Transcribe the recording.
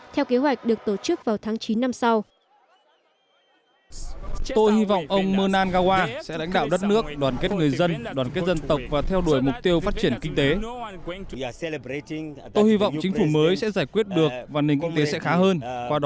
theo kế hoạch được tổ chức vào tháng chín năm sau